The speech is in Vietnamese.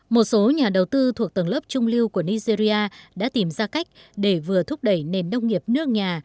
một số nhà đầu tư thuộc tầng lớp trung lưu của nigeria đã tìm ra cách để vừa thúc đẩy nền nông nghiệp nước nhà